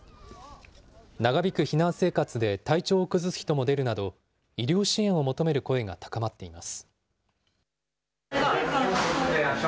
長引く避難生活で体調を崩す人も出るなど、医療支援を求める声が高まっています。